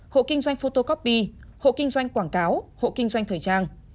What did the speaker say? hộ kinh doanh photocopy hộ kinh doanh quảng cáo hộ kinh doanh thời trang